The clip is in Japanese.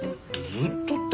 ずっとって。